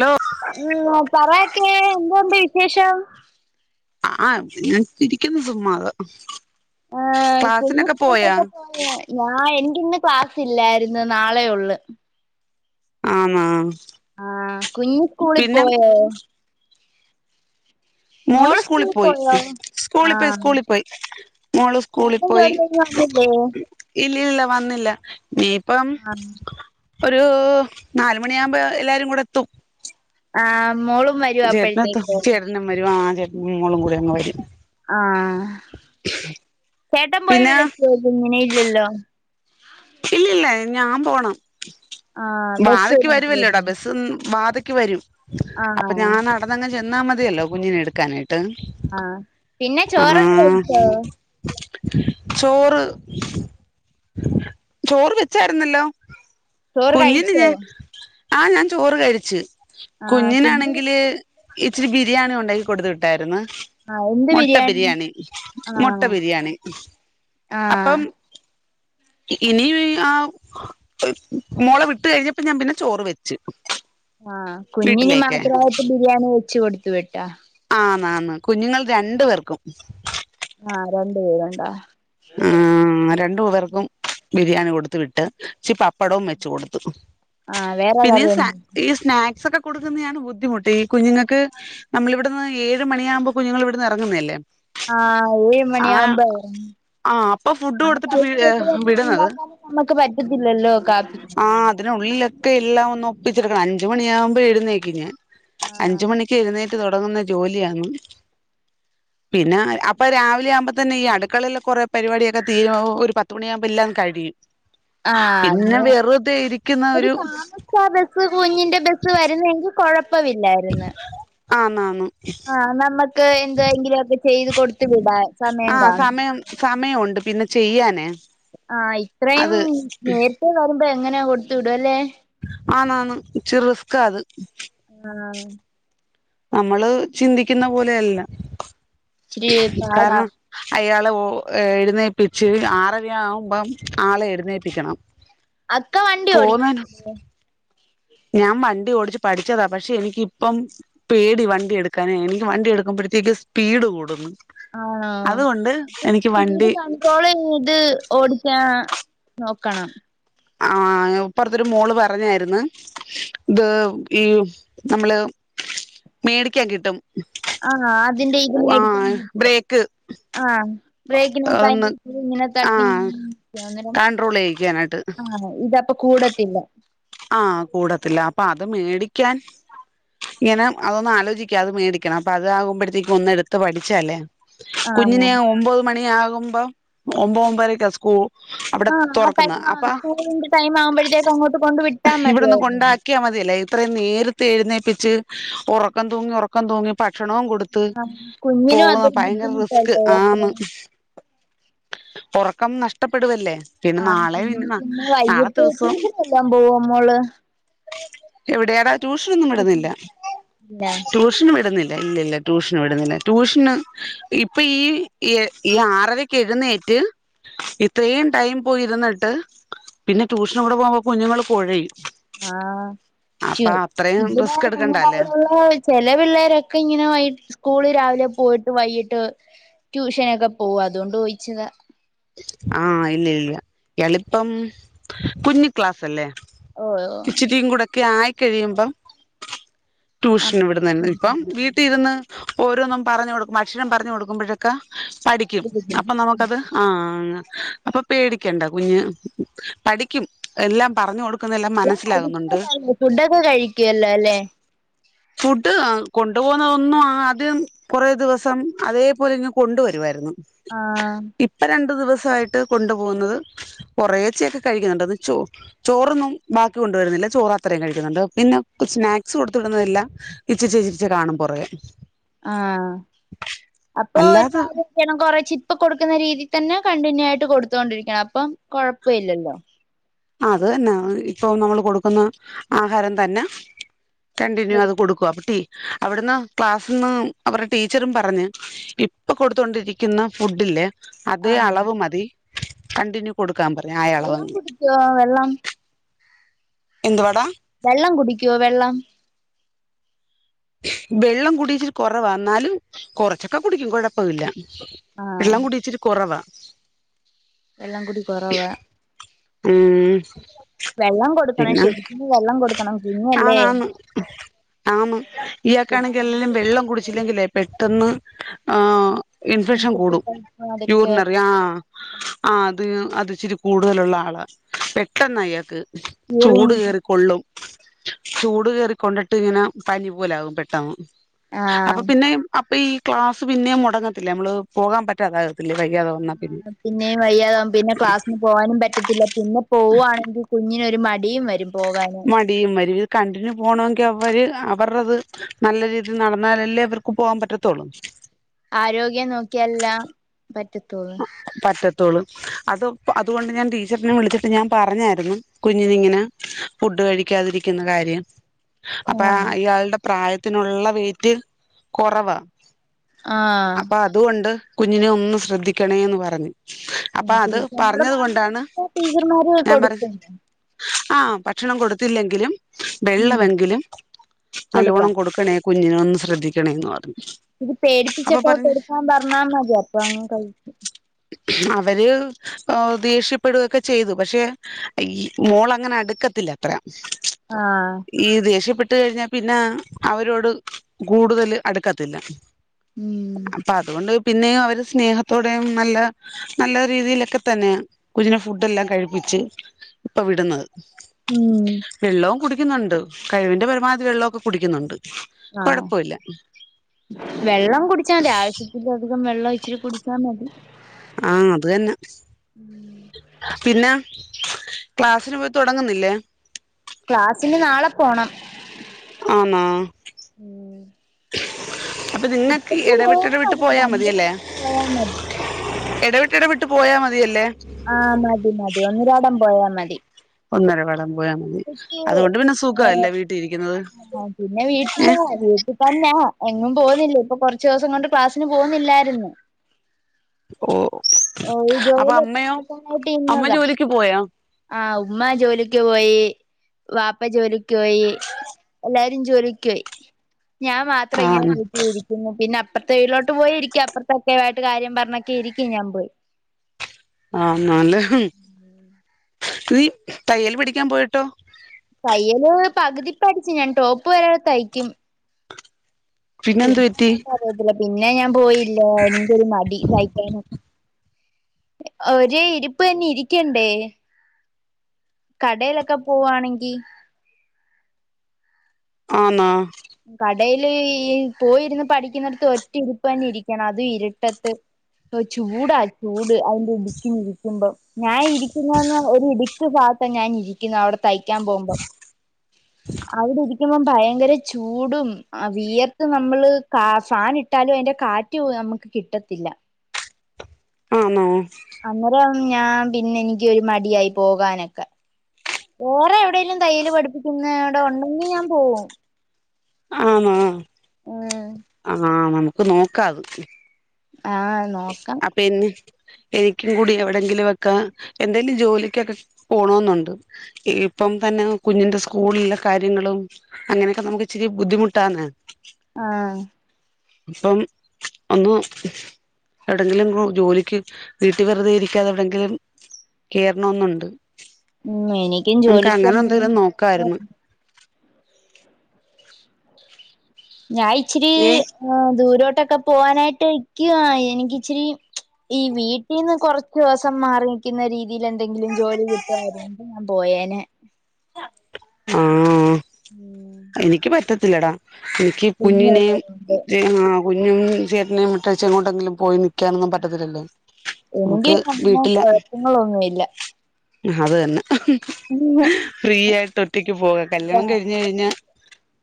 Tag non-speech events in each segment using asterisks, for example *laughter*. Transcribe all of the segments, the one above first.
Law ഉം പറയക്കെ എന്തൊണ്ട് വിശേഷം ആഹ് ഇങ്ങനെ ഇരിക്കുന്നു സുമ്മാതെ ആഹ് കുഞ്ഞ് സ്കുളിലോക്കെ പോയോ യാ എനിക്ക് ഇന്ന് ക്ലാസ്സ്‌ല്ലാര്ന്നു നാളെ ഒള്ള് ആന്നോ ആഹ് കുഞ്ഞ് സ്കൂളി പോയോ മോള് സ്കൂളിൽ പോയി മോളിപ്പോ ആഹ് സ്കൂളിൽ പോയി മോള് സ്കൂളിൽ ചേട്ടൻ പോയി ജോലി കഴിഞ്ഞ് വന്നില്ലേ ഇല്ല ഇല്ല വന്നില്ല ഈപ്പം ആഹ് ഒരു നാലുമണി ആവ്മ്പോ എല്ലാരും കൂടെ എത്തും ആ *unintelligible* ചേട്ടനും മോളും കൂടി അങ്ങ് വരും ആ ചേട്ടൻ പോയി പിന്നെ വിളക്കാേ കുഞ്ഞിനെ ഇല്ലല്ലോ ഇല്ലല്ല ഞാം പോണം ആഹ് വാതയ്ക്ക് ബസ്സിനകത്ത് വരുവല്ലോടാ വരില്ലേ ബസ് വാത് ക്ക് വരും അപ്പൊ ആഹ് ഞാൻ നടന്നങ്ങ് ചെ ന്നാ മതിയല്ലോ കുഞ്ഞിനെ എട്ക്കാനായി ട്ട് ആഹ് പിന്നെ ആ ചോറൊക്കെ കഴിച്ചോ ചോറ് ചോറ് വെച്ചായിര്ന്നല്ലോ ചോറ് കഴിച്ചോ ആ ഞാൻ ചോറ് കഴിച്ച് ആഹ് കുഞ്ഞ് കുഞ്ഞിനാണെങ്കില് ഇച്ചിരി ബിരിയാണി ഉണ്ടാക്കി കൊടുത്ത് വിട്ടായിര്ന്ന് ആഹ് എന്ത് മൊട്ട ബിരിയാണി മൊട്ട ആഹ് ബിരിയാണി ആഹ് അപ്പം ഇനി ആ മോളെ വിട്ട് കഴിഞ്ഞപ്പോ ഞാൻ പിന്നെ ചോറ് വെച്ച് ആ കുഞ്ഞിന് വീട്ടിലേക്ക് മാത്രമായിട്ട് ബിരിയാണി വെ ച്ച് കൊടുത്ത് വിട്ടാ ആന്ന് ആന്ന് കുഞ്ഞുങ്ങൾ രണ്ട് പേർക്കും ആ രണ്ട് പേരുണ്ടോ ഏ ആ രണ്ടു പേർക്കും ബിരിയാണി കൊടുത്ത് വിട്ട് ച്ചി പപ്പടവും വെച്ച് കൊട്ത്ത് ആഹ് വേറെ പിന്നെ സ കറിയൊന്നും ഈ സ്നാക്സാെക്കെ കൊട്ക്കുന്നേയണ് ബുദ്ധിമുട്ട് ഈ കുഞ്ഞുൾക്ക് നമ്മളിവ്ട്ന്ന് ഏഴ് മണിയാവുമ്പോ കുഞ്ഞുങ്ങൾ ഇവിടുന്ന് ഇറങ്ങുന്നെയല്ലേ ആ ഏഴ് മണി ആവുമ്പോ ആ അപ്പൊ ഫുഡ് എ ആ കൊടുത്തിട്ട് വി ടൈമ്കൊണ്ട് വിടുന്നത് ഉണ്ടാക്കാനും നമ്മുക്ക് പറ്റത്തില്ലല്ലോ കാപ്പി അ ഒന്ന് ഒപ്പിച്ചെട്ക്കണം അഞ്ച്മണി ആകുമ്പോ എഴ്ന്നേക്കും ഞാൻ അഞ്ച് ആഹ് മണിക്ക് എഴ്ന്നേ ക്ക് തൊടങ്ങുന്ന ജോലിയാന്ന് പിന്നെ അപ്പ രാവിലെ ആവുമ്പാെ തന്നെ ഈ അടുക്കളയില് കാെറേ പരിപാടൊക്കെ തീരും ഒര് പത്ത് മണിയാവുമ്പോ എല്ലാം കഴിയും പിന്നെ ആന്ന് വെറുതെ ഇരിക്കുന്ന എടി ഒരു താമസ്ച ബസ്സ് കുഞ്ഞിന്റെ ബസ്സ് വര്ന്നെങ്കിൽ കൊഴ പ്പമില്ലായിര്ന്ന് ആന്നാന്ന് ആ നമ്മക്ക് എന്തെങ്കിലും ഒക്കെ ചെയ്ത് കൊടുത്ത് വിടാ സമയം ആ കാണും സമയം സമയമുണ്ട് പിന്നെ ചെയ്യാനേ ആഹ ഇത്രയും അത് നേരത്തെേ വരു്പോ എങ്ങനെയാ കൊടുത്തു വിട അല്ലെ ആണാണ് ചിറ റിസക്ക അത് ആഹ നമ്മള് ചിന്തിക്കുന്ന പോലെയല്ല ഇച്ചിരി പാടാ കാരണം അയായാൾ ആളെ എഴുന്നേപ്പിച്ച് ആറവി ആവുമ്പം ആളെ എഴുന്നേപ്പിക്കണം അക്ക വണ്ടി ഓടിക്ക പോന്നേന് ഞാൻ വണ്ടി ഓടിച്ച്ു പഠിച്ചതാ പക്ഷെ എനിിക്കിപ്പം പേടി വണ്ടി എടുക്കാന് എനിക്ക് വണ്ടി എടുക്കുമ്പോഴത്തേക്ക്ും സ്പീഡ് കൂടുന്നു ആ അതുകൊണ്ട് അപ്പ എനിക്ക് സീട് വണ്ടി കണിക്കോള ഏത് ഓടിക്കാ നോക്കണം ആ ഇപ്പറത്തൊരു മോള് പറഞ്ഞായിരുന്നു ഇത് ഈ നമ്മള് മേടിക്കാൻ കിട്ടും ആഹ അതിന്റെ ഇത് ആ മേടിക്കാൻട്ട് ബ്രേക്ക് ആഹ ബ്രേക്കിനക ഒന്ന് ഇങ്ങനെ ആഹ് തട്ടന്നേരം കൺട്രോൾ ചെയ്യിക്കാനായിട്ട് ആഹ ഇത അപ്പൊ കൂടത്തില്ല ആഹ കൂടത്തില്ല അപ്പൊ അത് മേടിക്കാൻ ഇങ്ങനെ അതൊന്ന ആലോചിക്ക അത് മേടിക്കണം അപ്പ അത് ആകുമ്പോഴത്തേക്കും ഒന്ന് എടുത്ത് പഠിച്ചല്ലേ ആഹ് കുഞ്ഞ്ഞിനെ ഒമ്പത് മണി ആ ഒം ഒംബാര കസ്ക ആ് ആ ടൈം ആ സ്കൂളിന്റെ ടൈം ആവുമ്പോഴത്തേക്ക് അങ്ങോട്ട് കൊണ്ട് വിട്ട ഇവിടൊന്ന് കൊണ്ടാക്കിയാൽ മതിയല്ലേ ഇത്രയും നേരി ഴുന്നേപ്പിച്ച് ഉറക്കം തൂങ്ങി ഉറക്കം തൂി ഭക്ഷണ കുഞ്ഞിനും പോകുന്ന അതൊരു ഭയങ്കര റിസ്ക് ബുദ്ധിമുട്ടല്ലേ യാത്ര ആന്ന് ഉറക്കം നഷ ഇഷ്ടപ്പെടുവല്ലേ ആ പിന്നെ പിന്നെ ദിവസം വൈകിട്ട്േക്കശന എല്ലാം പോകും എവിടെയാടാ ട്യൂഷനൊന്നും ഇടുന്നില്ല ഇല്ല ട്യൂഷനും ഇടുന്നില്ല ഇല്ല ഇല്ല ട്യൂഷന് വിടുന്നില്ല ട്യൂഷന് ഇപ്പൊ ഈ ഈ ആറരക്ക് എഴുന്നേറ്റ് ഇത്രയും ടൈം പോയി ഇരുന്നിട്ട് പിന്നെ ട്യൂഷന് കൂടെ പോകുമ്പോ കുഞ്ഞുങ്ങൾ പുഴ ആ അത്രയും ഇവിടെ റിസ്ക് ഞങ്ങള എടുക്കണ്ടല്ലേ അവിടെുള്ള ചില പിള്ളേരൊക്കെ ഇങ്ങനെ സ്കൂള് രാവിലെ പോയിട്ട് വൈകിട്ട് ട്യൂഷനൊക്കെ പോകും അതുകൊണ്ട് ചോയിിച്ചതാ ആഹ ഇല്ല ഇല്ല എളിപ്പം കുഞ്ഞു ക്ലാസ്സ് അല്ലേ ഓ ഇച്ചിരിും കൂടെ ഒക്കെ ആയി കഴിയുമ്പം ട്യൂഷൻ ആഹ് ഇവിടെന്ന് ഇപ്പം വീട്ടിൽിരുന്ന് ഓരോന്നും പറഞ്ഞഞ് കൊടുക്കും അക്ഷരം പറഞ്ഞു കൊടുക്കുമ്പോഴേക്കെ പഠിക്കും അപ്പൊ നമുക്കത് ആ അപ്പൊ പേടിക്കണ്ട കുഞ്ഞ് പഠിക്കും എല്ലാം പറഞ്ഞു കൊടുക്ക എല്ലാം കഴികുല്ലോല്ലേ ഫുഡൊക്കെ കഴിക്കുവല്ലോ അല്ലേ കൊണ്ടു പോകുന്നത് ഒന്നും ആദ്യം കൊറേ ദിവസം അതേപോലെ ഇങ്ങ് കൊണ്ടുവരുമായിരുന്നു ആ രണ്ടു ദിവസായിട്ട് കൊണ്ടു പോകുന്നത് കൊറേച്ചൊക്കെ കഴിക്കുന്നുണ്ട് ചോ ചോറൊന്നും ബാക്കി കൊണ്ടുവരുന്നില്ല ചോറ് അത്രയും കഴിക്കുന്നുണ്ട് പിന്നെ സ്നാക്സ് കൊടുത്ത് വിടുന്നില്ല ഇച്ചച്ചിരിച്ച കാണും കൊറേ ആ അപ്പൊ ഒരു അല്ലാതെ കാര്യം ചെയ്യണം കൊറച്ചിപ്പ കൊടുക്കുന്ന രീതി തന്നെ കണ്ടിന്യൂ ആയിട്ട് കൊടുത്തോണ്ടിരിക്കണം അപ്പം കൊഴപ്പില്ലല്ലോ അത് തന്നെ ഇപ്പൊ നമ്മള് കൊടുക്കുന്ന ആഹാരം തന്നെ കണ്ടിന്യൂ അത് കൊടുക്കുക അപ്പ ടീ അവിടുന്ന് ക്ലാസീന്ന് അവരുടെ ടീച്ചറും പറഞ്ഞ് ഇപ്പൊ കൊടുത്തോണ്ടിരിക്കുന്ന ഫുഡില്ലേ അതേ ആഹ് അളവ് മതീ കണ്ടിന്യൂ കൊടു വെള്ളം കുടിക്കോ വെള്ളം എന്തുവാടാ വെള്ളം കുടി ടിക്കോ വെള്ളം വെള്ളം കുടി ഇച്ചിരി കൊറവാ എന്നാലും കൊറച്ചൊക്കെ കുടിക്കും കൊഴപ്പമില്ലാ ആഹ് വെള്ളം കുടി ഇച്ചിരി കൊറവാ വെള്ളംകുടി കൊറവാ ഉം വെള്ളം കൊടുക്കണം പിന്നെ ശരിക്കും വെള്ളം കൊടുക്കണം കുഞ്ഞല്ലേ ഇയാക്കാണെങ്കി എല്ലാം വെള്ളം കുടിച്ചില്ലെങ്കിലേ പെട്ടെന്ന് ആ ഇൻഫെക്ഷൻ കൂടും അതൊക്കെ യൂറിനറി ആ ആത് ആ ഇച്ചിരി കൂടുതലുള്ള ആളാ പെട്ടെന്ന് അയാക്ക് യൂറിൻ ചൂട് കയറിക്കൊള്ളും ചൂട് കേറിക്കൊണ്ടിട്ട് ഇങ്ങനെ പനി പോലാകും പെട്ടെന്ന് അപ്പൊ ആഹ് പിന്നെ അപ്പൊ ഈ ക്ലാസ്സ് പിന്നേം മൊടങ്ങത്തില്ലേ നമ്മള് പോകാൻ പറ്റാതാ ആ പിന്നെയും വയ്യാതാവുമ്പോ പിന്നെ ക്ലാസ്സിന് പോകാനും പറ്റത്തില്ല പിന്നെ പോവുവാണെങ്കി കുഞ്ഞിനേ മടിയും വരും പോകാന് മടിയും വരും ഇത കണ്ടിന്യൂ പോണമെങ്കി അവന്മാര് അവരുടേത് നല്ല രീതിയിൽ നടന്നാലല്ലേ അവർക്ക് പോകാൻ പറ്റത്തുള്ളൂ. ആരോഗ്യം നോക്കിയല്ലാ പറ്റത്തൊളളൂ ത്തൊള്ളൂ അത് അതുകൊണ്ട് ഞാൻ ടീച്ചറിനെ വിളിച്ചിട്ട് ഞാൻ പറഞ്ഞായിരുന്നു കുഞ്ഞിനിങ്ങനെ ഫുഡ് കഴിക്കാതിരിക്കുന്ന കാര്യം അപ്പ ആഹ് ഇയാൾടെ പ്രായ ത്തിനൊള്ള വെയിറ്റ് കൊറവാ ആഹ് അപ്പ അതുകൊണ്ട് കുഞ്ഞിനെ ഒന്ന് ശ്രദ്ധി ക്കണേന്ന് പറഞ്ഞു. അപ്പ അത് ടീച്ചറിനോട് പറഞ്ഞത് പറഞ്ഞ് കൊണ്ടാണ് ടീച്ചർമാര് ഞാൻ പറ കൊടുക്കും ആ ഭക്ഷണം കൊട് ത്തില്ലെങ്കിലും വെള്ളവെങ്കിലും കൊടുക്കാം നല്ലോണം കൊടുക്കണേ കുഞ്ഞിനെ ഒന്ന് ശ്രദ്ധിക്കണേന്ന് പറഞ്ഞു. ഇത്തിരി പേടിപ്പിച്ച അപ്പൊ പറഞ്ഞു കോട്ടെടുക്കാൻ പറഞ്ഞാ മതി. അപ്പ അങ്ങ് കഴിക്കും. ഓ ദേഷ്യപ്പെടുവൊക്കെ ചെയ്തു. പക്ഷേ ഈ മോളങ്ങനെ അടുക്കത്തില്ല അത്ര. ആഹ് ഈ ദേഷ്യപ്പെ ട്ട് കഴിഞ്ഞാ പിന്ന അവരോട് കൂടുതല് അടുക്കത്തില്ല. ഉം അപ്പ അതുകൊണ്ട് പിന്നേം അവര് സ്നേഹത്തോടെയും നല്ല നല്ല രീതിലൊക്കെ തന്നെയ കുഞ്ഞിനെ ഫുഡെല്ലാം കഴിപ്പിച്ച് ഇപ്പോ വിടുന്നത്. ഉം വെള്ളവും കുടി കുടിക്കുന്നുണ്ട് കഴിവിൻ്റെ പരമാവധി വെള്ളോക്കെ കുടിക്കുന്നുണ്ട്. ആ കൊഴപ്പമില്ല വെള്ളം കുടിച്ചാമതി. ആവശ്യത്തിലധികം വെള്ളം ഇച്ചിരി കുടിച്ചാ മതി. ആ അത് തന്നെ പിന്ന ക്ലാസിന് പോയി തുടങ്ങുന്നില്ലേ? ക്ലാസിന് നാളെ പോണം ആന്നോ? ഉം അപ്പൊ നിങ്ങൾക്ക് ഉച്ചക്ക് പോയാ ഇടവിട്ടിടവിട്ട് മതി. പോയാ രണ്ട് മണിക്ക് പോയാ മതി. എടവിട്ടെടവിട്ട് പോയാമതിയല്ലേ? ആ മതി മതി ഒന്നിരാടം പോയാ മതി ഒന്നര വെളം ഇപ്പയ്ക്ക് ആഹ് വീട്ടിൽ ഇരിക്കുന്നത് ആ പിന്നെ ഏ വീട്ടിലാ വീട്ടി തന്നാ എങ്ങും പോകുന്നില്ല. ഇപ്പോ കൊറച്ചിവസം കൊണ്ട് ക്ലാസ്സിന് പോകുന്നില്ലാരുന്നു. ഓ ഓ അപ്പൊ ജോലിയൊക്കെ അമ്മയോ നോക്കാനായിട്ട് അമ്മ ഇര്ന്നതാ. ജോലിക്ക് പോയോ ആഹ് ഉമ്മ ജോലിക്ക് യി വാപ്പജോലിക്കോയി എല്ലാരും ജോലിക്കോയി ഞാൻ മാത്രം ഇങ്ങനെ ആഹ് വീട്ടിലിരിക്കുന്നു പിന്ന- അപ്പറത്തെ വീട്ലോട്ട് പോയി ഇരിക്കും അപ്പറത്തക്കെ ആയിട്ട് കാര്യം പറഞ്ഞൊക്കെ ഇരിക്കും ഞാൻ പോയി ആ നല്ലേ നീ തയ്യൽ പഠിക്കാൻ പോയിട്ടോ തയ്യല് പകുതിപഠിച്ചു ഞാൻ ടോപ്പ് വരെ തയ്ക്കും പിന്നെന്ത് പറ്റി പിന്നങ്ങോട്ട് അറിയത്തില്ല പിന്നെ പിന്നെ ഞാൻ പോയി ല്ലാ നിക്കൊരു മടി തയ്ക്കാന് ഒരേ ഇരിപ്പ് തന്നെ ഇരിക്കണ്ടേ കടയിലൊക്കെ പോവാണെങ്കി ആന്നോ കടയില് ഈ പോയിരുന്ന് പഠിക്കുന്നിടത്ത് ഒറ്റ ഇരിപ്പ് തന്നെ ഇരിക്കണം അതും ഇരുട്ടത്ത് ചൂടാ ചൂട് അതിന്റെ ഇടുക്കി ഇരിക്കുമ്പോ ഞാൻ ഇരിക്കുന്നത് തന്നെ ഇടു ട്ട് ഭാഗത്താ ഞാന് ഇരിക്കുന്നത് അവിടത്തെ തയ്ക്കാൻ പോകുമ്പം അവിടെ ഇരി ക്കുമ്പം ഭയങ്കര ചൂടും ആ വിയർത്ത് നമ്മള് കാ ഫാൻ ഇട്ടാലും അതിന്റെ കാറ്റ് നമുക്ക് കിട്ടത്തില്ല ആന്നോ അന്നേരം ഞാൻ പിന്നെ എനിക്ക് ഒരു മടിയായി പോകാനൊക്കെ വേറെ എവിടേങ്കിലും തയ്യൽ പഠിപ്പിക്കുന്നവിടെ ഉണ്ടെങ്കി ഞാൻ പോവും ആന്നോ ആ ന്ക്ക് നോക്കാത് ആ നോക്കാം അപ്പൊ എന്നെ എനിക്കും കൂടി എവിടെങ്കിലുംഒക്കെ എന്തെലും ജോലിക്കൊക്കെ പോണോന്നുണ്ട് ഇപ്പം തന്നെ കുഞ്ഞിന്റെ സ്കൂളിലെ കാര്യങ്ങളും അങ്ങനെയൊക്കെ നമുക്ക് ഇച്ചിരി ബുദ്ധിമുട്ടാന്ന ആ അപ്പം ഒന്നു എവിടെങ്കിലും ജോലിക്ക് വീട്ടിൽ വെറുതെ ഇരിക്കാതെ എവിടെങ്കിലും കേറണന്നൊണ്ട് മ് എനിക്കും ജോലിക്ക് എന്തിനെ എന്തെങ്കിലും നോക്കായിരുന്നു *unintelligible* ഞാൻ ഇച്ചിരി ദൂരോട്ട ഇട്ടൊക്കെ പോവാനായിട്ട് ഇക്കുവ എനിക്ക് ഇച്ചിരി ഈ വീട്ടിൽന്ന് കൊറച്ചു ദിവസം മാറി നിക്കുന്ന രീതിയിൽ എന്തെങ്കിലും ജോലി കിട്ടുവായിരുന്നെങ്കിൽ ഞാൻ പോയേഞ്ഞേ ആ ഉം ത്തിലടാ എനിക്ക് കുഞ്ഞിനെ കുഞ്ഞുള്ളതുകൊണ്ട് ആ കുഞ്ഞും ചേട്ടനും വിട്ടേച്ച് എങ്ങോട്ടെങ്കിലും പോയി നി നിക്കാനൊന്നും പറ്റത്തില്ലല്ലോ എനിക്ക് നമുക്ക് പിന്നെ അങ്ങനെ വീട്ടില കൊഴപ്പങ്ങളൊന്നുമില്ല അത് തന്നെ ഫ്രീ ആയിട്ട് ഒറ്റക്ക് പോക അതാ കല്യാണം കഴിഞ്ഞ് കഴിഞ്ഞ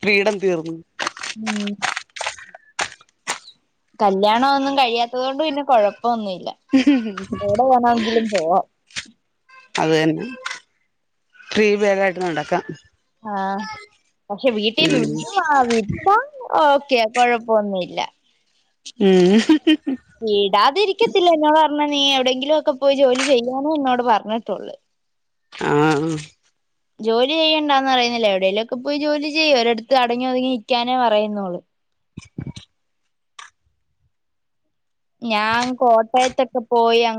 ഫ്രീഡം തീർന്ന് ഉം കല്യാണഒന്നും കഴിയാത്തത് കൊണ്ട് പിന്നെ കൊഴപ്പം പോവാം അത് തന്നെ ഫ്രീ വേലായിട്ട് നടക്കാം ആഹ് പക്ഷെ വീട്ടീന്ന് ഉം വിടോ ആഹ് വിട്ടാ ഓക്കെ കൊഴപ്പൊന്നുല്ല ഉം ഈടാതിരിക്കത്തില്ല ഞാ പറഞ്ഞ നീ എവിടെയെങ്കിലും ഒക്കെ പോയി ജോലി ചെയ്യാനോ എന്നോട് പറഞ്ഞിട്ടുള്ളൂ ആഹ് ജോലി ചെയ്യേണ്ടാന്ന്റിയുന്നില്ല എവിടേലുവൊക്കെ പോയി ജോലി ചെയ്യ് ഒരിടത്ത് അടങ്ങി ഒതുങ്ങി ഇരിക്കാനേ പറയുന്നോളള് *unintelligible* ഞാൻ കോട്ടയത്തൊക്കെ പോയങ്ങ്